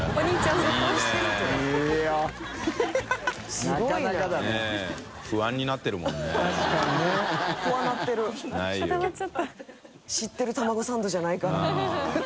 次知ってるたまごサンドじゃないから。